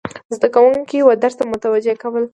زده کوونکي و درس ته متوجه کول،